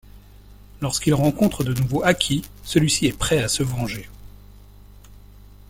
Lorsqu'il rencontre de nouveau Aki, celui-ci est prêt à se venger.